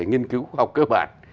nghiên cứu khoa học cơ bản